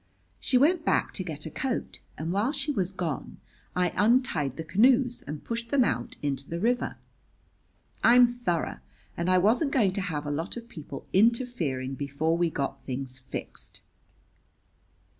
She went back to get a coat, and while she was gone I untied the canoes and pushed them out into the river. I'm thorough, and I wasn't going to have a lot of people interfering before we got things fixed."